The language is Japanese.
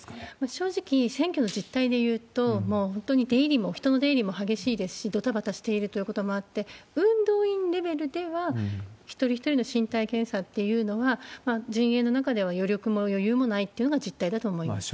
正直、選挙の実態でいうと、もう本当に出入りも、人の出入りも激しいですし、どたばたしているということもあって、運動員レベルでは、一人一人の身体検査っていうのは、陣営の中では余力も余裕もないというのが実態だと思います。